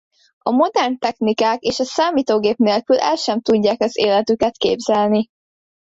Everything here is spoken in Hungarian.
A modern technikák és a számítógép nélkül el sem tudják az életüket képzelni.